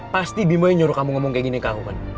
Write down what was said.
pasti bimo yang nyuruh kamu ngomong kayak gini kamu kan